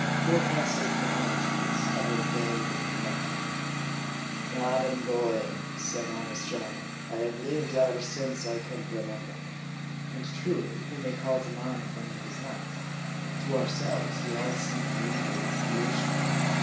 Forecastle chronology is ever vague and defective. " Man and boy," said honest Jarl, " I have lived ever since I can remember." And truly, who may call to mind when he was not ? To ourselves, we all seem coeval with creation.